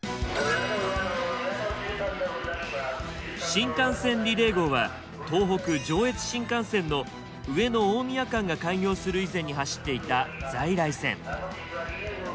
新幹線リレー号は東北・上越新幹線の上野大宮間が開業する以前に走っていた在来線。